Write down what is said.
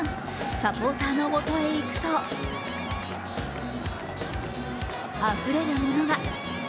サポーターのもとへ行くとあふれるものが。